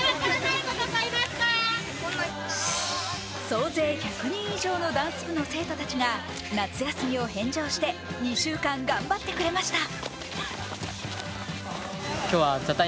総勢１００人以上のダンス部の生徒たちが夏休みを返上して２週間頑張ってくれました。